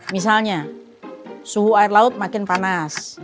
misalnya suhu air laut makin panas